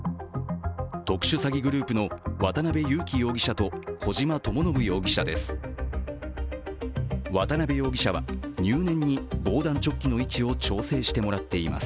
特殊詐欺グループの渡辺優樹容疑者と小島智信容疑者です。